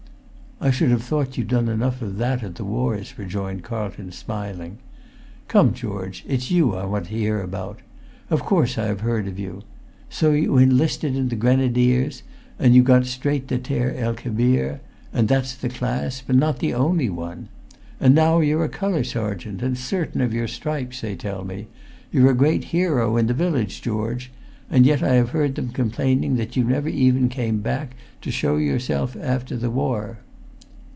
"I should have thought you'd done enough of that at the wars," rejoined Carlton, smiling. "Come, George, it's you I want to hear about. Of course I have heard of you. So you enlisted in the Grenadiers, and you got straight to Tel el Kebir; and that's the clasp, and not the only one! And now you're a colour sergeant, and certain of your stripes, they tell me; you're a great hero in the village, George; and yet I have heard them complain that you never even came back to show yourself after the war."